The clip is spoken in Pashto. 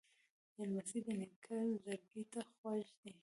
لمسی د نیکه زړګي ته خوږ دی.